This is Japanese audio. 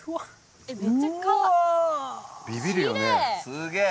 すげえ！